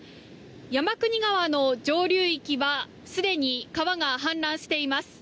山国川の上流域はすでに川が氾濫しています。